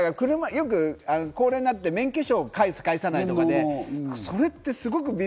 よく高齢になって免許証を返す返さないとかで、それってすごく微